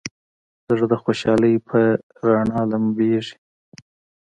زړه د خوشحالۍ په رڼا لمبېږي.